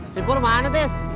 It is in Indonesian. sipur mana tes